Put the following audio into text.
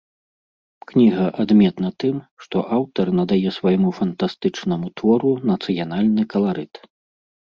Кніга адметна тым, што аўтар надае свайму фантастычнаму твору нацыянальны каларыт.